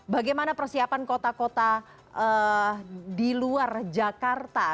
bagaimana persiapan kota kota di luar jakarta